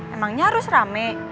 emangnya harus rame